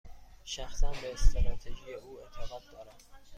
شخصا، به استراتژی او اعتقاد دارم.